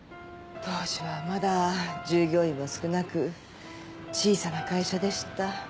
当時はまだ従業員も少なく小さな会社でした。